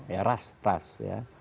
ya ras ras ya